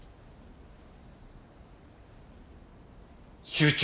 集中！